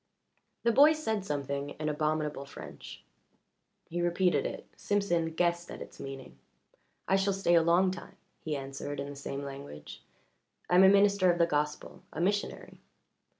The boy said something in abominable French. He repeated it Simpson guessed at its meaning. "I shall stay a long time," he answered in the same language. "I am a minister of the gospel a missionary."